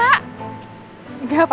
gak ada yang luka